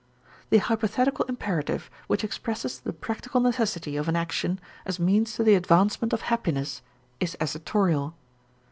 The hypothetical imperative which expresses the practical necessity of an action as means to the advancement of happiness is assertorial.